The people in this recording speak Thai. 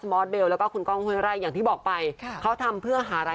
พี่ก้องอยากมีอยู่ค่ะแต่ว่า